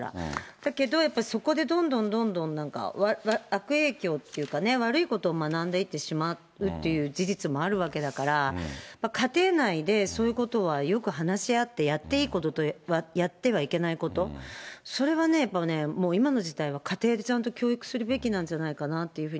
だけど、やっぱそこでどんどんどんどんなんか、悪影響っていうかね、悪いことを学んでいってしまうという事実もあるわけだから、家庭内でそういうことはよく話し合って、やっていいことと、やってはいけないこと、それはね、やっぱね、今の時代は家庭でちゃんと教育するべきなんじゃないかなというふうに。